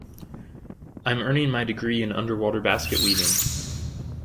I'm earning my degree in underwater basket weaving.